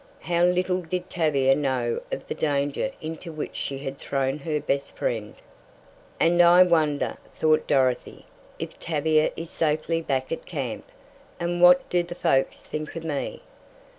How little did Tavia know of the danger into which she had thrown her best friend! "And I wonder," thought Dorothy, "if Tavia is safely back at camp? And what do the folks think of me?"